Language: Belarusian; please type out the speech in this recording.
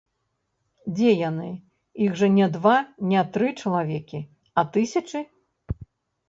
Дзе яны, іх жа не два, не тры чалавекі, а тысячы?